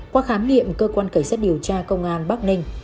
qua khám nghiệm cơ quan cảnh sát điều tra công an bắc ninh